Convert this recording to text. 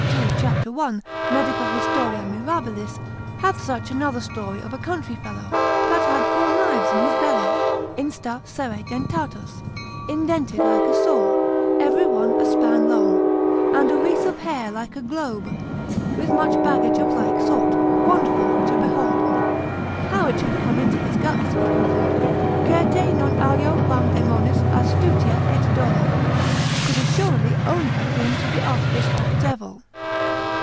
2. c. 1. de med. mirab. hath such another story of a country fellow, that had four knives in his belly, Instar serrae dentatos, indented like a saw, every one a span long, and a wreath of hair like a globe, with much baggage of like sort, wonderful to behold: how it should come into his guts, he concludes, Certe non alio quam daemonis astutia et dolo, (could assuredly only have been through the artifice of the devil).